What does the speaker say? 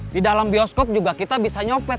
di dalam bioskop juga kita bisa nyopet